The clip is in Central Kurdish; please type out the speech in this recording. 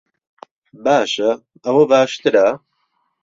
باشە، ئەوە باشترە؟